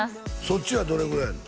そっちはどれぐらいやの？